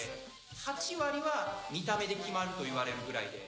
８割は見た目で決まると言われるくらいで。